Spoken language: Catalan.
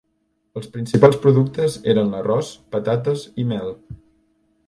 Els principals productes eren l'arròs, patates i mel.